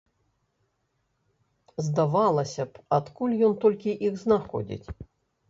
Здавалася б, адкуль ён толькі іх знаходзіць?